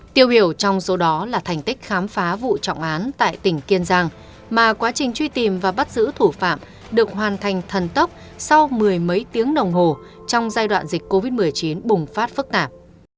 tiêu biểu trong số đó là thành tích khám phá vụ trọng án tại tỉnh kiên giang mà quá trình truy tìm và bắt giữ thủ phạm được hoàn thành thần tốc sau mười mấy tiếng đồng hồ trong giai đoạn dịch covid một mươi chín bùng phát phức tạp